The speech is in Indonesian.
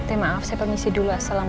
eh maaf saya permisi dulu assalamualaikum